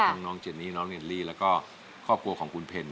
น้องเจนนี่น้องลิลลี่แล้วก็ครอบครัวของคุณเพ็ญ